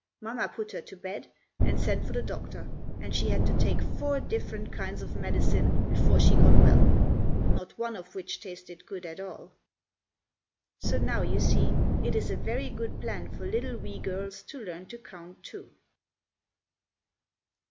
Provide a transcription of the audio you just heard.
Mamma put her to bed, and sent for the doctor, and she had to take four different kinds of medicine before she got well, not one of which tasted good at all. So now, you see, it is a very good plan for little wee girls to learn to count two.